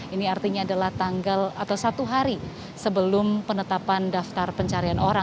ini artinya adalah tanggal atau satu hari sebelum penetapan daftar pencarian orang